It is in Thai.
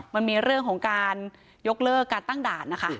มันมีเรื่องของการยกเลิกการตั้งด่านนะคะ